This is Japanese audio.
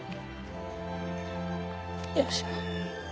よいしょ。